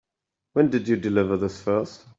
When did you deliver this first?